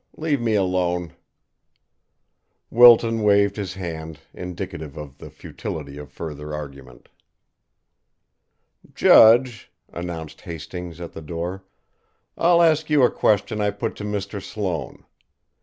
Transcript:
Leave me alone." Wilton waved his hand, indicative of the futility of further argument. "Judge," announced Hastings, at the door, "I'll ask you a question I put to Mr. Sloane.